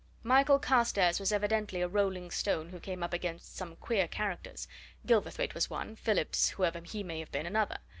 Michael Carstairs was evidently a rolling stone who came up against some queer characters Gilverthwaite was one, Phillips whoever he may have been another.